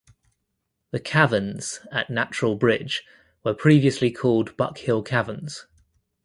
The Caverns at Natural Bridge were previously called Buck Hill Caverns.